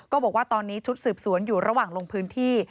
บอกว่าตอนนี้ชุดสืบสวนอยู่ระหว่างลงพื้นที่